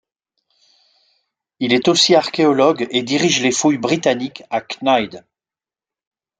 Il est aussi archéologue et dirige les fouilles britanniques à Cnide.